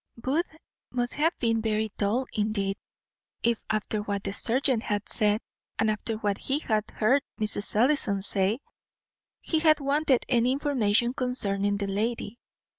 Booth must have been very dull indeed if, after what the serjeant had said, and after what he had heard Mrs. Ellison say, he had wanted any information concerning the lady.